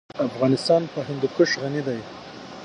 افغانستان په هندوکش غني دی.